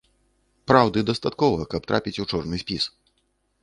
Праўды дастаткова, каб трапіць у чорны спіс!